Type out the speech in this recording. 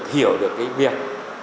hiểu được cái việc